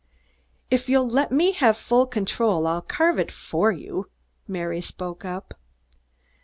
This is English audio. "If you'll let me have full control, I'll carve it for you," Mary spoke up.